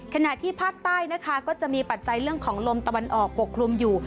ขณะที่ภาคใต้นะคะก็จะมีปัจจัยเรื่องของลมตะวันออกปกคลุมอยู่